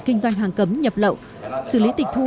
kinh doanh hàng cấm nhập lậu xử lý tịch thu